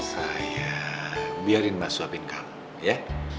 sayang biarin mas suapin kamu ya